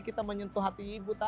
kita menyentuh hati ibu